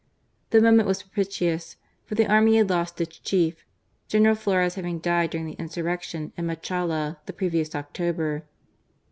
The moment was propitious, for the army had lost its chief. General Flores having died during the insurrection at Machala the previous October.